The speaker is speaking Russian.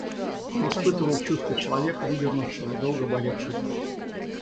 Он испытывал чувство человека, выдернувшего долго болевший зуб.